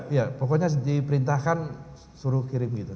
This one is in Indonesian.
iya pokoknya diperintahkan suruh kirim gitu